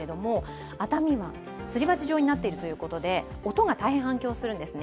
熱海湾、すり鉢状になっているということで音が大変反響するんですね。